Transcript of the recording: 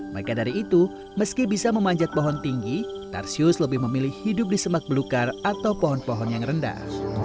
maka dari itu meski bisa memanjat pohon tinggi tarsius lebih memilih hidup di semak belukar atau pohon pohon yang rendah